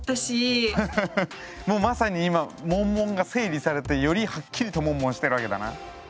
もうまさに今モンモンが整理されてよりはっきりとモンモンしてるわけだな。